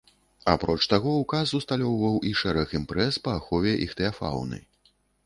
Апроч таго ўказ усталёўваў і шэраг імпрэз па ахове іхтыяфауны.